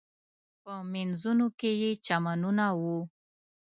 په مینځونو کې یې چمنونه و.